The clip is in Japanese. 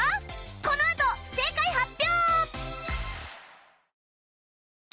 このあと正解発表！